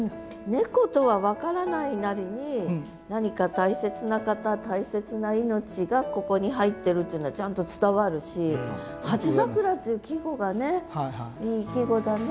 猫とは分からないなりに何か大切な方大切な命がここに入ってるっていうのはちゃんと伝わるし「初桜」っていう季語がいい季語だね。